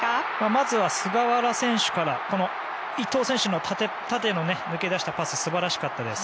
まずは菅原選手から伊東選手の縦へ抜け出したパス素晴らしかったです。